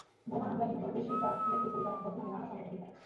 বোমা হামলায় নিহত বেশির ভাগ ব্যক্তির পরিবার বর্তমানে নানা সংকটে দিন কাটাচ্ছে।